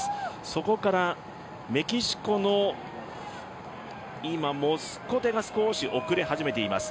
そこからメキシコのモスコテが少し遅れ始めています。